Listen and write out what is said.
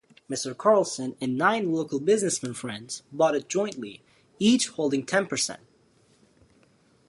Mr. Carlson and nine local businessmen friends bought it jointly, each holding ten percent.